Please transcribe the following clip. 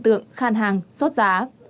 hiện tượng khan hàng xót giá